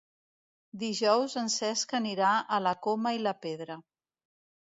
Dijous en Cesc anirà a la Coma i la Pedra.